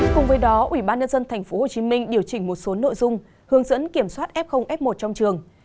cùng với đó ubnd tp hcm điều chỉnh một số nội dung hướng dẫn kiểm soát f f một trong trường